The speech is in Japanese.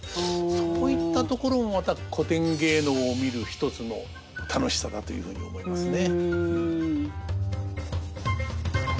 そういったところもまた古典芸能を見る一つの楽しさだというふうに思いますね。